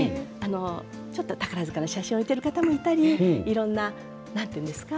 ちょっと宝塚の写真を置いている方もいたりいろんな何て言うんですか？